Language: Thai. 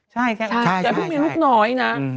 ใช่ใช่แกเรียกต้องมีลูกน้อยนะ